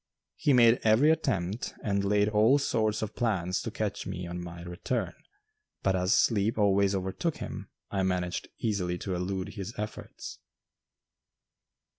He made every attempt, and laid all sorts of plans to catch me on my return, but as sleep always overtook him, I managed easily to elude his efforts.